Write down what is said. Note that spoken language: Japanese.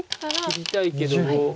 切りたいけども。